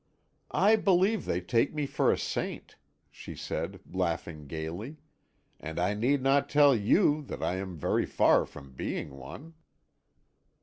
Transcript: "I believe they take me for a saint," she said, laughing gaily; "and I need not tell you that I am very far from being one."